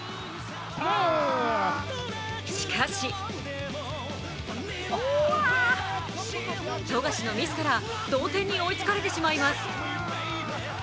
しかし富樫のミスから同点に追いつかれてしまいます